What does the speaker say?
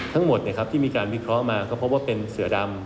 ทั้งหมดที่มีการวิเคราะห์มาก็พบว่าเป็นเสือดำ